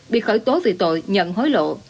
bị khởi tố vì tội nhận hối lộ